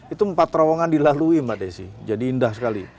itu empat terowongan dilalui mbak desi jadi indah sekali